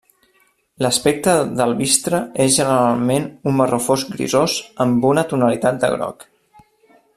L'aspecte del bistre és generalment un marró fosc grisós amb una tonalitat de groc.